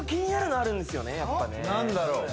やっぱね何だろう？